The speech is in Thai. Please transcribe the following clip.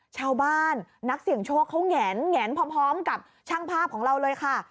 ชาวบ้านนักเสี่ยงโชคเขาแงนพร้อมกับช่างภาพของเราเลยค่ะ